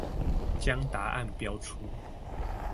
將答案標出